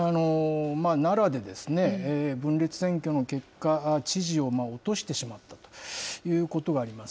奈良で分裂選挙の結果、知事を落としてしまったということがあります。